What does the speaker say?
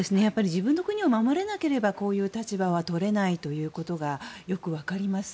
自分の国を守れなければこういう立場はとれないということがよく分かります。